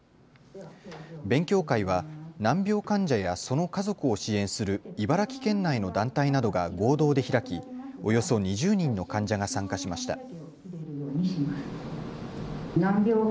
勉強会は難病患者やその家族を支援する茨城県内の団体などが合同で開きおよそ２０人の患者が参加しました。